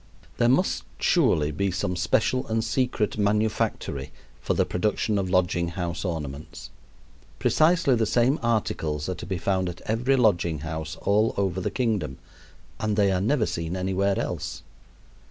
There must surely be some special and secret manufactory for the production of lodging house ornaments. Precisely the same articles are to be found at every lodging house all over the kingdom, and they are never seen anywhere else.